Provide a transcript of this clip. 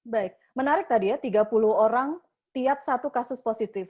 baik menarik tadi ya tiga puluh orang tiap satu kasus positif